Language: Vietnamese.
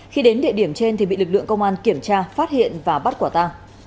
khi đến địa điểm trên thì bị lực lượng công an kiểm tra phát hiện và bắt quả ta